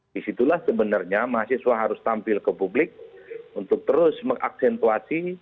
disitulah sebenarnya mahasiswa harus tampil ke publik untuk terus mengaksentuasi